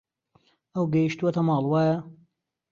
ئەو گەیشتووەتەوە ماڵ، وایە؟